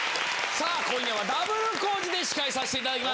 今夜はＷコージで司会させていただきます。